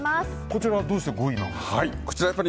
こちらはどうして５位なんですか。